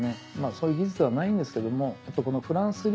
そういう技術はないんですけども。